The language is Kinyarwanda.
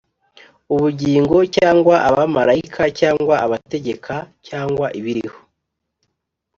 ubugingo, cyangwa abamarayika, cyangwa abategeka, cyangwa ibiriho